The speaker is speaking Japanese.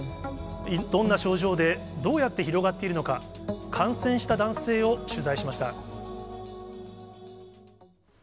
どんな症状で、どうやって広がっているのか、感染した男性を取材しました。